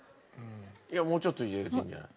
いやもうちょっと入れるといいんじゃない。